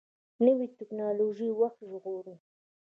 نوې ټکنالوژي وخت ژغوري